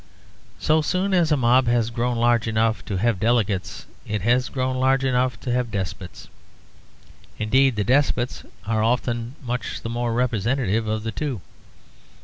So soon as a mob has grown large enough to have delegates it has grown large enough to have despots; indeed the despots are often much the more representative of the two.